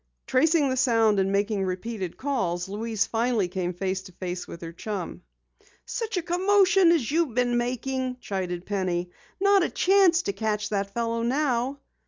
Tracing the sound, and making repeated calls, Louise finally came face to face with her chum. "Such a commotion as you've been making," chided Penny. "Not a chance to catch that fellow now!"